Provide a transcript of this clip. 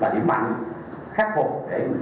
là điểm mạnh khắc phục